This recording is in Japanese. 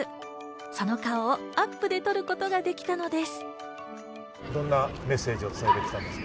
その顔をアップで撮ることができたのです。